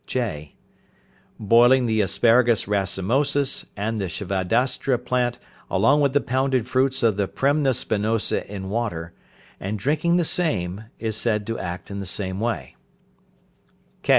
(j). Boiling the asparagus racemosus, and the shvadaushtra plant, along with the pounded fruits of the premna spinosa in water, and drinking the same, is said to act in the same way.